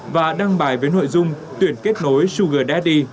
và đăng bài với nội dung tuyển kết nối sugar daddy